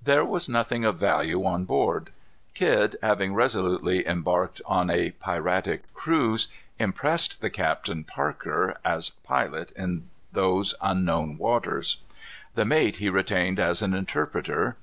There was nothing of value on board. Kidd, having resolutely embarked on a piratic cruise, impressed the captain, Parker, as pilot in those unknown waters. The mate he retained as an interpreter.